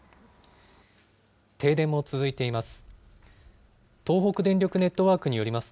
停電も続いています。